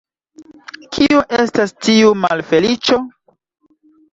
Kio estas tiu malfeliĉo?